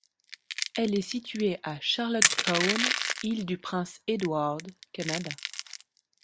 Elle est située à Charlottetown, Île-du-Prince-Édouard, Canada.